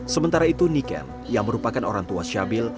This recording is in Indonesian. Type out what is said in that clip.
sementara itu niken yang merupakan orang tua syabil